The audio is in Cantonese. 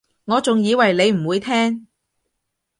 我仲以為你唔會聽